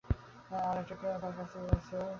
আর সেটা এখনো তার কাছেই আছে।